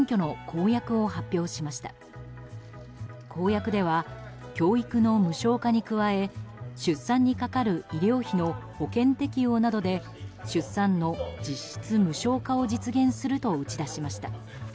公約では教育の無償化に加え出産にかかる医療費の保険適用などで出産の実質無償化を実現すると打ち出しました。